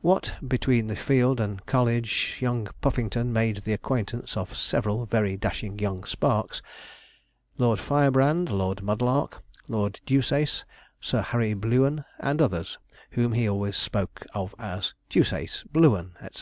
What between the field and college, young Puffington made the acquaintance of several very dashing young sparks Lord Firebrand, Lord Mudlark, Lord Deuceace, Sir Harry Blueun, and others, whom he always spoke of as 'Deuceace,' 'Blueun,' etc.